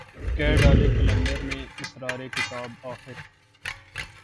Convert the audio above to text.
کہہ ڈالے قلندر نے اسرار کتاب آخر